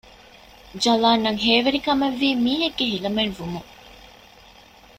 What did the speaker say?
ޖަލާންއަށް ހޭވެރިކަމެއްވީ މީހެއްގެ ހިލަމެއްވުމުން